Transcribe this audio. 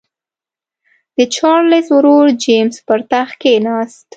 د چارلېز ورور جېمز پر تخت کېناست.